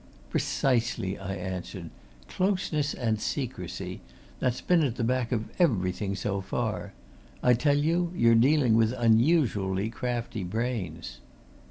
"Precisely!" I answered. "Closeness and secrecy that's been at the back of everything so far. I tell you you're dealing with unusually crafty brains!"